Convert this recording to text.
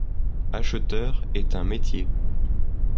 Acheteur est un métier.